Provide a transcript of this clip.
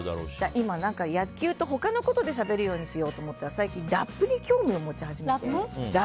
今何か野球と他のことでしゃべろうと思ったら最近ラップに興味を持ち始めて。